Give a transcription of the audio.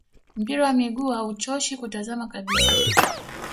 Mpira wa miguu hauchoshi kutazama kabisa